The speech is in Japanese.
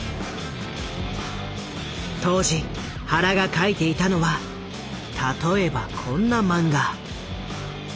当時原が描いていたのは例えばこんな漫画。